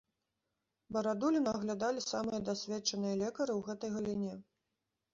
Барадуліна аглядалі самыя дасведчаныя лекары ў гэтай галіне.